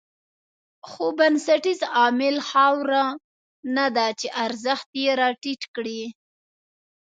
خو بنسټیز عامل خاوره نه ده چې ارزښت یې راټيټ کړی.